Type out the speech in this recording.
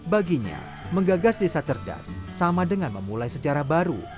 baginya menggagas desa cerdas sama dengan memulai sejarah baru